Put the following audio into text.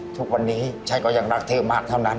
ทุกวันนี้ฉันก็ยังรักเธอมากเท่านั้น